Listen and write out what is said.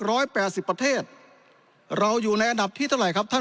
ร้อยแปดสิบประเทศเราอยู่ในอันดับที่ตลาดครับท่าน